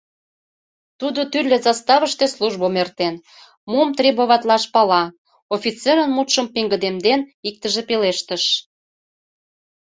— Тудо тӱрлӧ заставыште службым эртен, мом требоватлаш пала, — офицерын мутшым пеҥгыдемден, иктыже пелештыш.